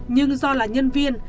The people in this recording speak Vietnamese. nhưng do là nhân viên